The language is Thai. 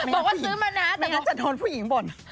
บอกว่าซื้อมานะแต่งั้นจะโดนผู้หญิงบ่น